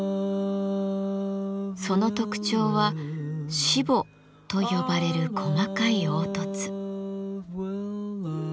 その特徴はしぼと呼ばれる細かい凹凸。